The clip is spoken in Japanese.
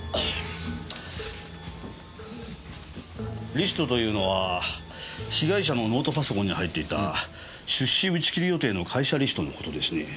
リストというのは被害者のノートパソコンに入っていた出資打ち切り予定の会社リストのことですね。